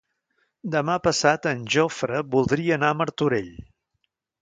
Demà passat en Jofre voldria anar a Martorell.